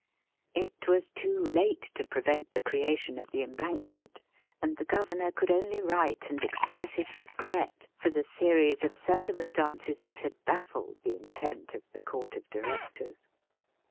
It was too late to prevent the creation of the embankment, and the Governor could only write and express his regret for the series of circumstances that had baffled the intent of the Court of Directors.